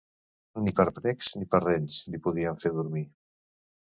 Ni per precs ni per renys li podien fer dormir.